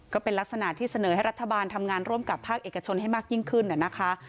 ก็เป็นลักษณะที่เสนอให้รัฐบาลทำงานร่วมกับภาคเอกชนให้มากยิ่งขึ้นนะคะ